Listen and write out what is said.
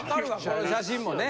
この写真もね。